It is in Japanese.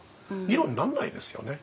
議論になんないですよね。